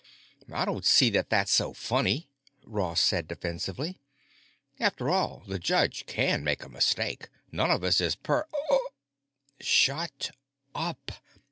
"I don't see that that's so funny," Ross said defensively. "After all, the judge can make a mistake, none of us is per—awk!" "Shut up!"